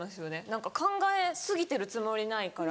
何か考え過ぎてるつもりないから。